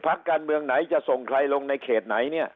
พักการเมืองไหนจะส่งใครลงในเขตไหนเนี่ย